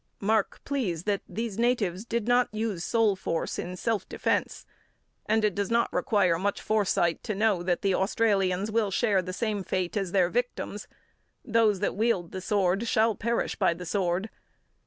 Mark, please, that these natives did not use soul force in self defence, and it does not require much foresight to know that the Australians will share the same fate as their victims. "Those that wield the sword shall perish by the sword."